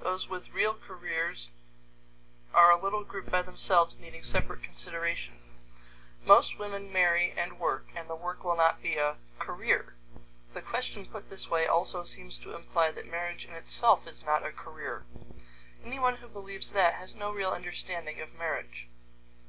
Those with real careers are a little group by themselves needing separate consideration. Most women marry and work, and the work will not be a "career." The question put this way also seems to imply that marriage in itself is not a career. Anyone who believes that has no real understanding of marriage.